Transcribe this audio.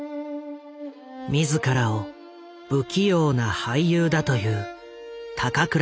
自らを不器用な俳優だと言う高倉健。